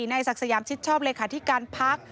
นายศักดิ์สยามชิดชอบเลขาธิการพัก